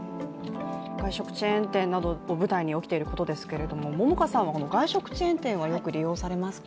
外食チェーン店などを舞台に起きていることですけれども桃花さんは外食チェーン店はよく利用されますか？